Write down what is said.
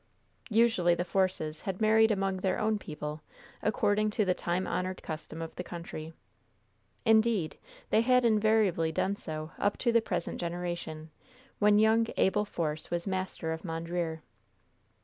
Usually the Forces had married among their own people, according to the time honored custom of the country. Indeed, they had invariably done so up to the present generation, when young Abel Force was master of Mondreer.